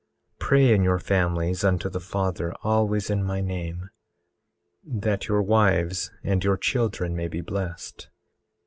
18:21 Pray in your families unto the Father, always in my name, that your wives and your children may be blessed.